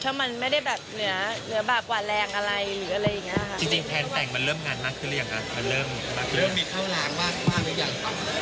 เรื่องมีเท่าหลังบ้างบ้างหรืออย่างบ้าง